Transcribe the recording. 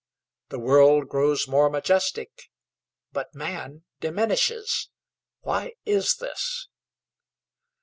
The world grows more majestic, but man diminishes. Why is this?